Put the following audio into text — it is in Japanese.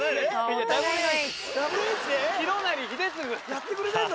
やってくれてんの？